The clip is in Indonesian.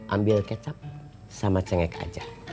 ambil kecap sama cengek aja